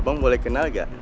abang boleh kenal gak